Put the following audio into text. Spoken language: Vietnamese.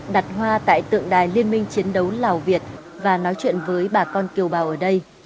đặt hoa tại tượng đài liên minh chiến đấu lào việt và nói chuyện với bà con kiều bào ở đây